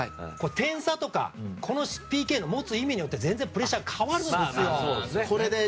点差とかこのＰＫの持つ意味によって全然、プレッシャー変わるんですよ。